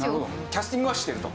キャスティングは知ってると。